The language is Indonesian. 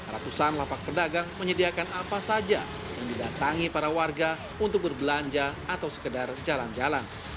ratusan lapak pedagang menyediakan apa saja yang didatangi para warga untuk berbelanja atau sekedar jalan jalan